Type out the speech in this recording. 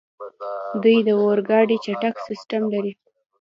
دوی د اورګاډي چټک سیسټم لري.